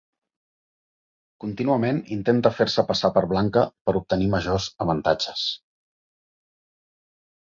Contínuament intenta fer-se passar per blanca per obtenir majors avantatges.